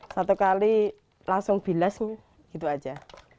satu kali langsung bilas gitu aja